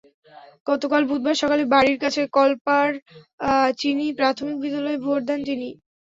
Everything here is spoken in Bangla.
গতকাল বুধবার সকালে বাড়ির কাছের কল্পার চিনি প্রাথমিক বিদ্যালয়ে ভোট দেন তিনি।